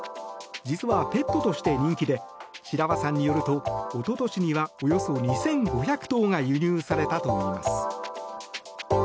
実はペットとして人気で白輪さんによると一昨年には、およそ２５００頭が輸入されたといいます。